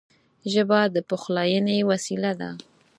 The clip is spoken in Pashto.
ژبه د پخلاینې وسیله ده